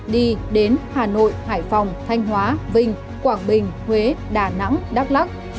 đi đến hà nội hải phòng thanh hóa vinh quảng bình huế đà nẵng đắk lắc